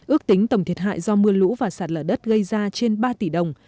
ước tính tổng thiệt hại do mưa lũ và sạt lở đất gây ra trên ba tỷ đồng